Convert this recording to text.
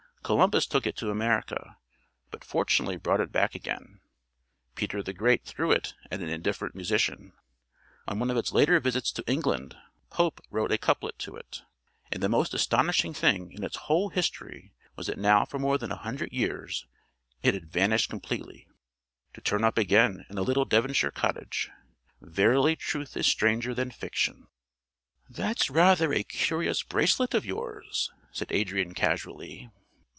Columbus took it to America, but fortunately brought it back again; Peter The Great threw it at an indifferent musician; on one of its later visits to England Pope wrote a couplet to it. And the most astonishing thing in its whole history was that now for more than a hundred years it had vanished completely. To turn up again in a little Devonshire cottage! Verily truth is stranger than fiction. "That's rather a curious bracelet of yours," said Adrian casually.